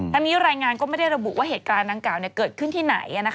นี้รายงานก็ไม่ได้ระบุว่าเหตุการณ์ดังกล่าวเกิดขึ้นที่ไหน